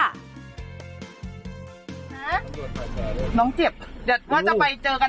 น้องเจ็บ